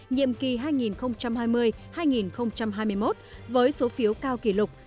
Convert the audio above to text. nhiệm kỳ hai nghìn hai mươi hai nghìn hai mươi một với số phiếu cao kỷ lục